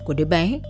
của đứa bé